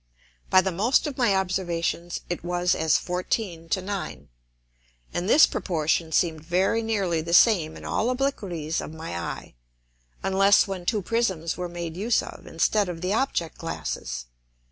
By the most of my Observations it was as 14 to 9. And this Proportion seem'd very nearly the same in all Obliquities of my Eye; unless when two Prisms were made use of instead of the Object glasses.